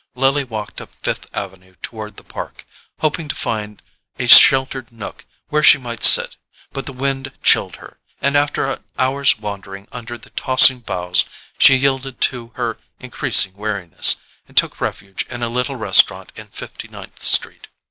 Lily walked up Fifth Avenue toward the Park, hoping to find a sheltered nook where she might sit; but the wind chilled her, and after an hour's wandering under the tossing boughs she yielded to her increasing weariness, and took refuge in a little restaurant in Fifty ninth Street.